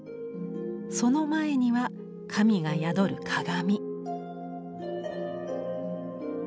その前には神が宿る鏡。